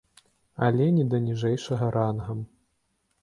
Але не да ніжэйшага рангам!